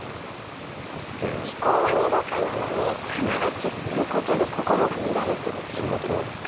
気候はのどかなのに花が散ることで心が乱れてるってことですか。